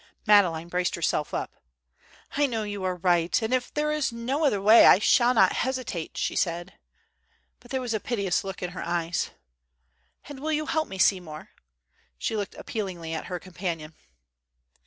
Madeleine braced herself up. "I know you are right, and if there is no other way I shall not hesitate," she said, but there was a piteous look in her eyes. "And you will help me, Seymour?" She looked appealingly at her companion.